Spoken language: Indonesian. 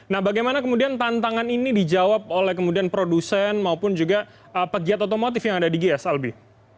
nah bagaimana kemudian tantangan ini dijawab oleh kemudian produsen maupun juga pegiat otomotif yang ada di gias albi